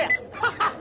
ハハハハ！